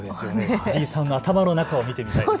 藤井さんの頭の中を見てみたい。